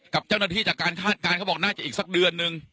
กับเจ้าหน้าที่จากการคาดการณ์เขาบอกน่าจะอีกสักเดือนนึง